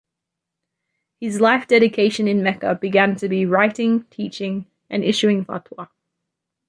His life dedication in Mecca began to be writing, teaching, and issuing fatwa.